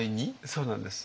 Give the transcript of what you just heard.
そうなんです。